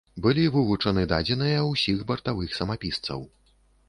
Былі вывучаны дадзеныя ўсіх бартавых самапісцаў.